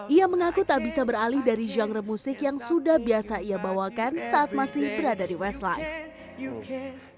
ia mengaku tak bisa beralih dari genre musik yang sudah biasa ia bawakan saat masih berada di westlife